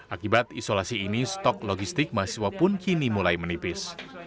akibat isolasi ini stok logistik mahasiswa pun kini mulai menipis